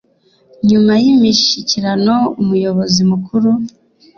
nyuma y imishyikirano umuyobozi mukuru